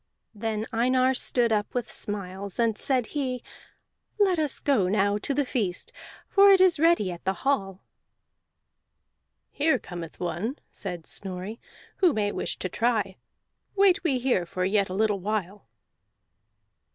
Then Einar stood up with smiles, and said he, "Let us now go to the feast, for it is ready at the hall." "Here cometh one," said Snorri, "who may wish to try; wait we here for yet a little while."